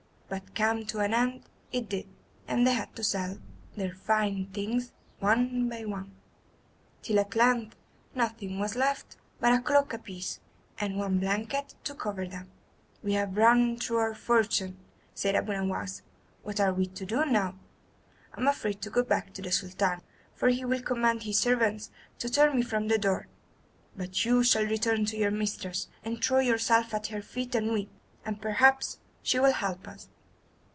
But come to an end it did, and they had to sell their fine things one by one, till at length nothing was left but a cloak apiece, and one blanket to cover them. "We have run through our fortune," said Abu Nowas, "what are we to do now? I am afraid to go back to the Sultan, for he will command his servants to turn me from the door. But you shall return to your mistress, and throw yourself at her feet and weep, and perhaps she will help us."